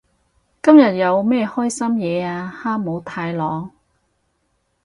今日有咩開心嘢啊哈姆太郎？